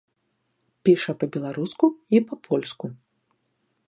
Піша па-беларуску і па-польску.